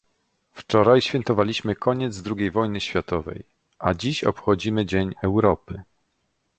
Wczoraj świętowaliśmy koniec Drugiej Wojny Światowej, a dziś obchodzimy Dzień Europy